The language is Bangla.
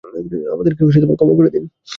আমাদেরকে ক্ষমা করে দিন।